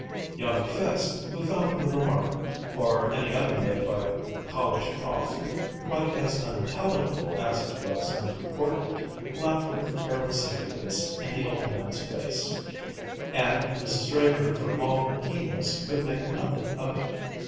Young Fiske, who found the remark, or any other made by a college prof, quite as unintelligible as it was unimportant, laughed with careless impudence in the old man's face; and Mrs. Draper, for all her keenness, could make nothing of it.